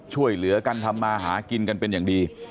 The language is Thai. ช่วยเหลือกันทำมาหากินกันเป็นอย่างดี